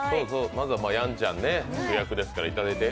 まずはやんちゃん、主役ですからいただいて。